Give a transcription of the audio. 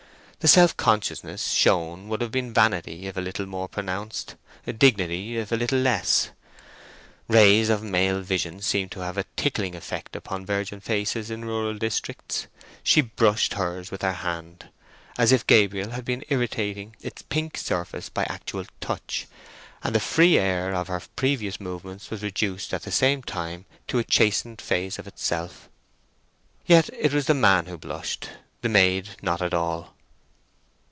The self consciousness shown would have been vanity if a little more pronounced, dignity if a little less. Rays of male vision seem to have a tickling effect upon virgin faces in rural districts; she brushed hers with her hand, as if Gabriel had been irritating its pink surface by actual touch, and the free air of her previous movements was reduced at the same time to a chastened phase of itself. Yet it was the man who blushed, the maid not at all.